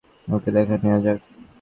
ওকে দেখে নেয়া যাক।